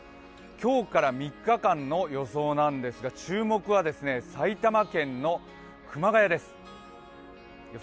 今日から３日間の予想なんですが注目は埼玉県の熊谷です。